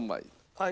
はい。